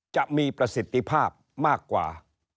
จะมีประสิทธิภาพมากกว่า